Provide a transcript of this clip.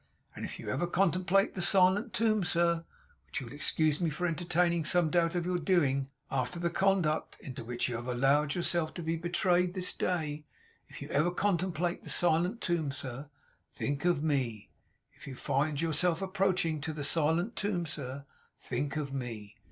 And if you ever contemplate the silent tomb, sir, which you will excuse me for entertaining some doubt of your doing, after the conduct into which you have allowed yourself to be betrayed this day; if you ever contemplate the silent tomb sir, think of me. If you find yourself approaching to the silent tomb, sir, think of me.